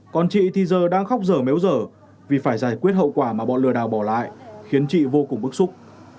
còn chị thì giờ đang khóc dở méo dở vì phải giải quyết hậu quả mà bọn lừa đảo bỏ lại khiến chị vô cùng bức xúc